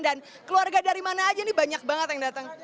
dan keluarga dari mana aja nih banyak banget yang datang